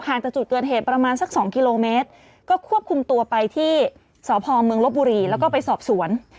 จากจุดเกิดเหตุประมาณสักสองกิโลเมตรก็ควบคุมตัวไปที่สพเมืองลบบุรีแล้วก็ไปสอบสวน